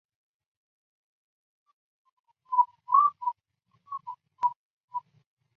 盛允官至大鸿胪。